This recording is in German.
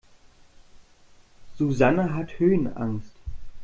Susanne hat Höhenangst.